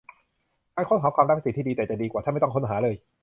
การค้นหาความรักเป็นสิ่งที่ดี แต่จะดีกว่าถ้าไม่ต้องค้นหาเลย